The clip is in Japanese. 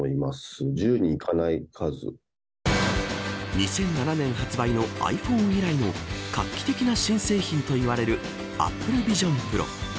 ２００７年発売のｉＰｈｏｎｅ以来の画期的な新製品といわれるＡｐｐｌｅＶｉｓｉｏｎＰｒｏ。